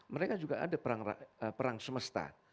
mereka juga ada perang semesta